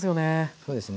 そうですね。